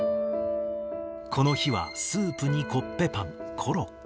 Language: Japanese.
この日はスープにコッペパン、コロッケ。